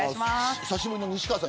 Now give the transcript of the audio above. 久しぶりの西川さん